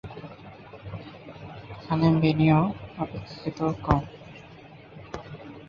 এখানে বিনিয়োগ অপেক্ষাকৃত কম।